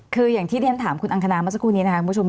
คืออย่างที่เรียนถามคุณอังคณาเมื่อสักครู่นี้นะครับคุณผู้ชม